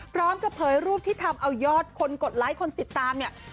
พร้อมกับเผยรูปที่ทำเอายอดคนกดไลค์คนติดตามเนี่ย